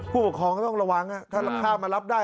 ผู้ปกครองก็ต้องระวังถ้าข้ามมารับได้